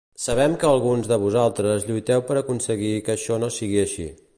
Sabem que alguns de vosaltres lluiteu per aconseguir que això no sigui així.